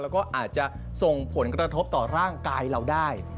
แล้วก็อาจจะส่งผลกระทบต่อร่างกายเราได้